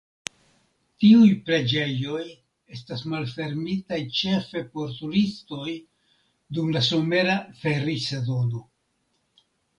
Tiuj preĝejoj estas malfermitaj ĉefe por turistoj dum la somera ferisezono.